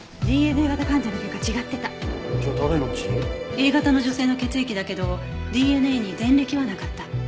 Ａ型の女性の血液だけどＤＮＡに前歴はなかった。